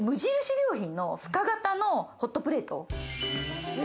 良品の深型のホットプレート。